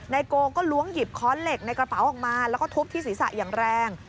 โกก็ล้วงหยิบค้อนเหล็กในกระเป๋าออกมาแล้วก็ทุบที่ศีรษะอย่างแรง